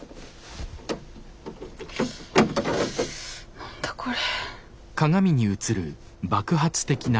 何だこれ。